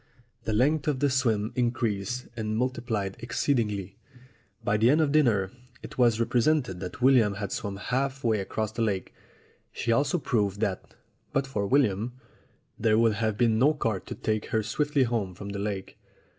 The length of the swim increased and multiplied exceedingly. By the end of dinner it was represented that William had swum half way across the lake. She also proved that, but for William, there would have been no cart to take her swiftly home from the lake.